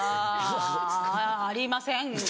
あぁ。ありません。